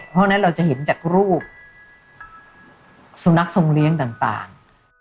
เพราะฉะนั้นเราจะเห็นจากรูปสุนัขทรงเลี้ยงต่าง